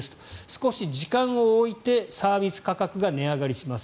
少し時間を置いてサービス価格が値上がりします。